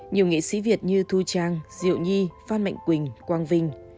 nhiều nghệ sĩ việt như thu trang diệu nhi phan mạnh quỳnh quang vinh